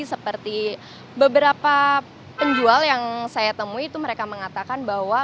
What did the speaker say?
seperti beberapa penjual yang saya temui itu mereka mengatakan bahwa